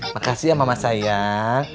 makasih ya mama sayang